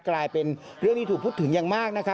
กลายเป็นเรื่องที่ถูกพูดถึงอย่างมากนะครับ